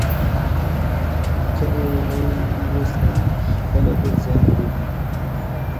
که یې ونه ولوستل، خپله به زیان وویني.